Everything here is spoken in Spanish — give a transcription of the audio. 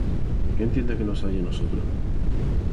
¿Qué entiendes que no se halle en nosotros?